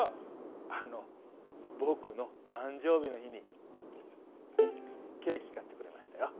あの僕の誕生日の日にケーキ買ってくれましたよ。